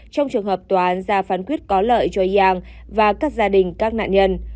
trong trường hợp tòa án ra phán quyết có lợi cho yang và các gia đình các nạn nhân